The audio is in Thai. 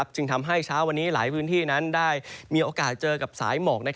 จึงทำให้เช้าวันนี้หลายพื้นที่นั้นได้มีโอกาสเจอกับสายหมอก